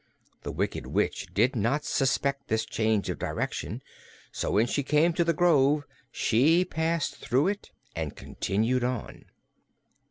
The Wicked Witch did not suspect this change of direction, so when she came to the grove she passed through it and continued on.